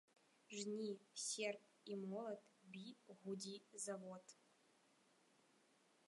Жні, серп, і, молат, бі, гудзі, завод!